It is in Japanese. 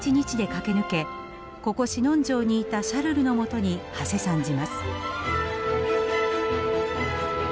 ここシノン城にいたシャルルのもとにはせ参じます。